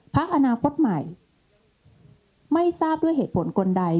พักอนาคตใหม่ไม่ทราบด้วยเหตุผลคนใด